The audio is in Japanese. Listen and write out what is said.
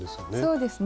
そうですね。